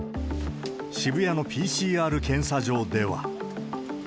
渋谷のＰＣＲ検査場では。